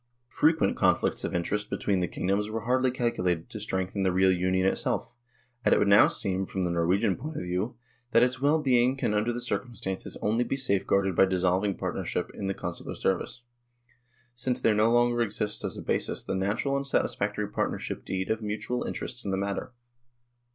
Frequent conflicts of interest between the kingdoms were hardly calculated to strengthen the real Union itself, and it would now seem, from the Norwegian point of view, that its well being can under the circumstances only be safeguarded by dissolving partnership in the Consular service, since there no longer exists as a basis the natural and satisfactory partnership deed of mutual interests in the matter.